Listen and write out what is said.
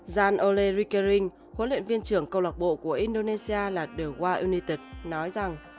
jan ole rikkeering huấn luyện viên trưởng cầu lọc bộ của indonesia là the wild united nói rằng